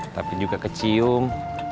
tapi juga kecium